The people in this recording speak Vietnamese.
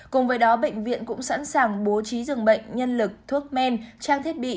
cùng với đó bệnh viện cũng sẵn sàng bố trí dường bệnh nhân lực thuốc men trang thiết bị